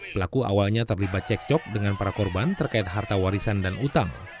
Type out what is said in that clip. pelaku awalnya terlibat cekcok dengan para korban terkait harta warisan dan utang